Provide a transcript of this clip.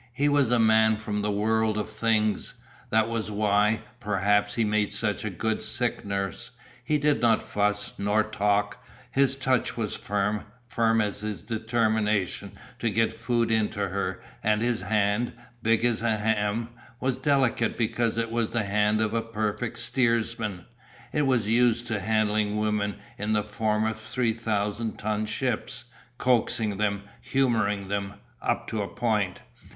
He was a man from the world of Things. That was why, perhaps, he made such a good sick nurse. He did not fuss, nor talk, his touch was firm, firm as his determination to "get food into her" and his hand, big as a ham, was delicate because it was the hand of a perfect steersman. It was used to handling women in the form of three thousand ton ships, coaxing them, humouring them up to a point.